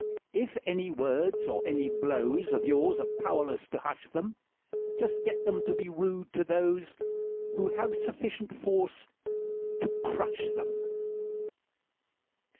If any words or any blows Of yours are powerless to hush them, Just get them to be rude to those Who have sufficient force to crush them.